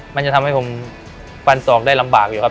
มันจะทำให้ผมฟันศอกได้ลำบากอยู่ครับ